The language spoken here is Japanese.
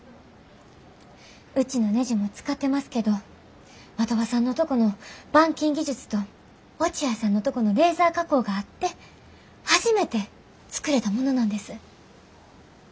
うちのねじも使ってますけど的場さんのとこの板金技術と落合さんのとこのレーザー加工があって初めて作れたものなんです。